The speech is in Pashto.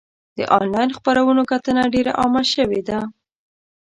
د انلاین خپرونو کتنه ډېر عامه شوې ده.